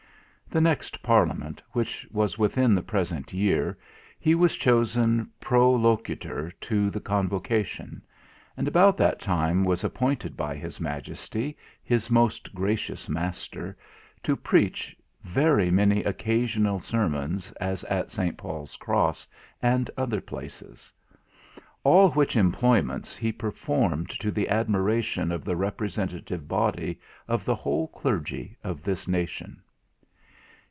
The next Parliament, which was within that present year, he was chosen Prolocutor to the Convocation, and about that time was appointed by his Majesty, his most gracious master, to preach very many occasional sermons, as at St. Paul's Cross, and other places. All which employments he performed to the admiration of the representative body of the whole Clergy of this nation.